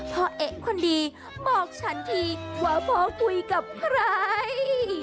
พ่อเอ๊ะคนดีบอกฉันทีว่าพ่อคุยกับใคร